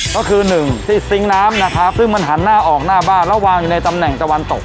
ก็คือหนึ่งที่ซิงค์น้ำนะครับซึ่งมันหันหน้าออกหน้าบ้านแล้ววางอยู่ในตำแหน่งตะวันตก